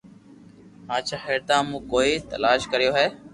ھاچا ھردا مون ڪوئي تلاݾ ڪريو ھي